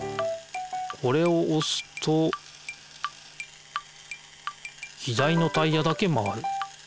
これをおすと左のタイヤだけ回る。